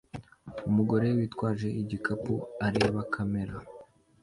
Umugore witwaje igikapu areba kamera